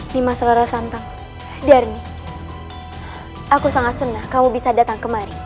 nima selera santang dharmi aku sangat senang kamu bisa datang kemari